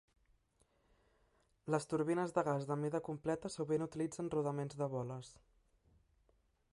Les turbines de gas de mida completa sovint utilitzen rodaments de boles.